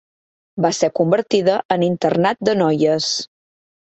Va ser convertida en internat de noies.